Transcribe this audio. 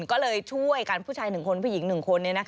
ก็เลยช่วยกันผู้ชายหนึ่งคนผู้หญิงหนึ่งคน